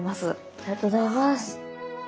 ありがとうございます。